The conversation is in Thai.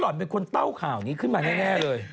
ก่อนเป็นคนเต้าข่าวนี้ขึ้นมาแน่เลย